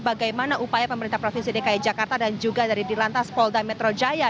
bagaimana upaya pemerintah provinsi dki jakarta dan juga dari di lantas polda metro jaya